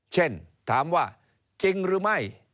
ถามว่าจริงหรือไม่